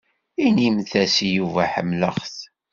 Inimt-as i Yuba ḥemmleɣ-t.